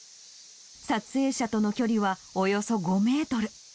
撮影者との距離はおよそ５メートル。